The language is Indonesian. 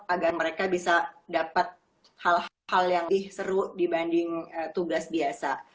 agar mereka bisa dapat hal hal yang lebih seru dibanding tugas biasa